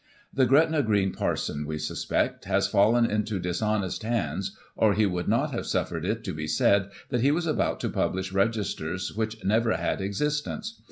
* The Gretna Green Parson, we suspect, has fallen into dishonest hands, or he would not have suffered it to be said that he was about to publish registers which never had existence.